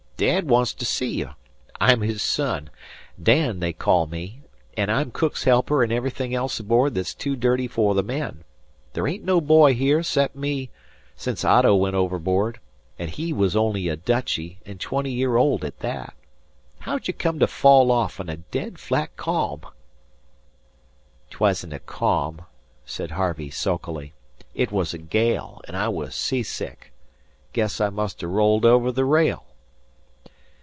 Dad wants to see you. I'm his son, Dan, they call me, an' I'm cook's helper an' everything else aboard that's too dirty for the men. There ain't no boy here 'cep' me sence Otto went overboard an' he was only a Dutchy, an' twenty year old at that. How'd you come to fall off in a dead flat ca'am?" "'Twasn't a calm," said Harvey, sulkily. "It was a gale, and I was seasick. Guess I must have rolled over the rail."